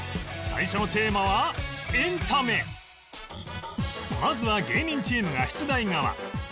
最初のテーマはまずは芸人チームが出題側